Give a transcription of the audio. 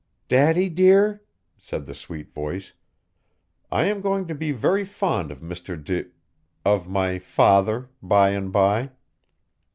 "Daddy dear," said the sweet voice, "I am going to be very fond of Mr. De of my father, by and by.